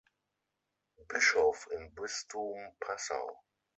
Bischof im Bistum Passau.